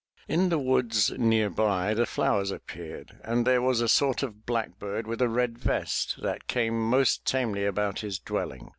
In the woods nearby the flowers appeared and there was a sort of blackbird with a red vest that came most tamely about his dwelling.